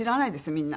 みんな。